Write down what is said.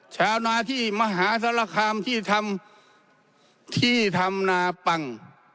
ชาวนาที่มหาสารคามที่ทำที่ทำนาปัง